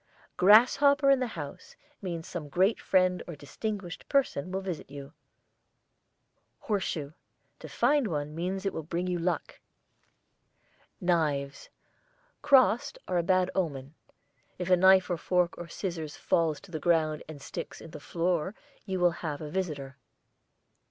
GRASSHOPPER in the house means some great friend or distinguished person will visit you. HORSESHOE. To find one means it will bring you luck. KNIVES crossed are a bad omen. If a knife or fork or scissors falls to the ground and sticks in the floor you will have a visitor.